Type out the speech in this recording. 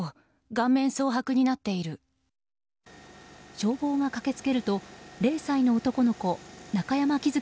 消防が駆けつけると０歳の男の子中山喜寿